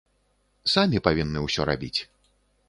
Самі павінны ўсё рабіць.